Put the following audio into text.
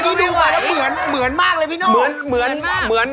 เมื่อกี้วิวมาแล้วเหมือนเหมือนมากเลยพี่โน้นเผื่อรู้ไหว